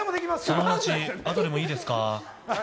その話、あとでもいいですか？